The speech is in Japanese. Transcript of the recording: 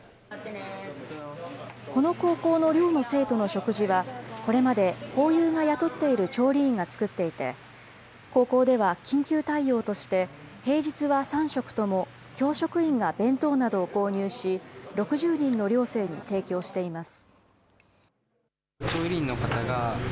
この高校の寮の生徒の食事は、これまでホーユーが雇っている調理員が作っていて、高校では緊急対応として、平日は３食とも教職員が弁当などを購入し、６０人の寮生に提供しています。